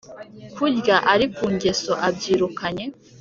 kurya ari ku ngeso abyirukanye